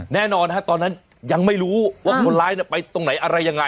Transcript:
แน่นอนฮะตอนนั้นยังไม่รู้ว่าคนร้ายไปตรงไหนอะไรยังไง